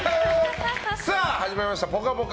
始まりました「ぽかぽか」